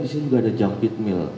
di sini juga ada jump pit mill